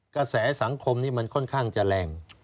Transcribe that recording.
กระแสสังคมนี้มันค่อนข้างจะแรง